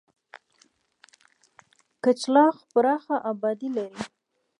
کچلاغ پراخه آبادي لري.